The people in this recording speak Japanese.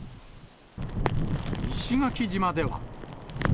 石垣島では。